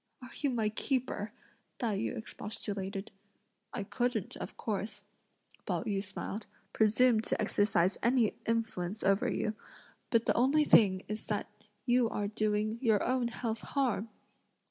"Are you my keeper?" Tai yü expostulated. "I couldn't, of course," Pao yü smiled, "presume to exercise any influence over you; but the only thing is that you are doing your own health harm!"